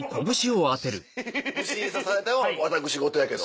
虫に刺されたのは私事やけど。